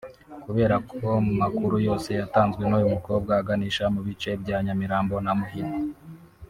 Kubera ko mu makuru yose yatanzwe n’uyu mukobwa aganisha mu bice bya Nyamirambo na Muhima